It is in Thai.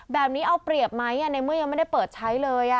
แบบนี้เอาเปรียบไหมในเมื่อยังไม่ได้เปิดใช้เลย